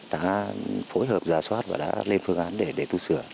đã phối hợp giả soát và đã lên phương án để tu sửa